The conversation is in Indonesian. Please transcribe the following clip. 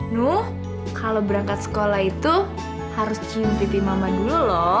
nuh kalau berangkat sekolah itu harus cium tv mama dulu loh